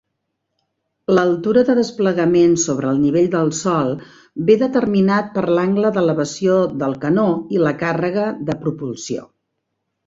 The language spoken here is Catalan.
L'altura de desplegament sobre el nivell del sòl ve determinat per l'angle d'elevació del canó i la càrrega de propulsió.